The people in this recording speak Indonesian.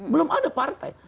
belum ada partai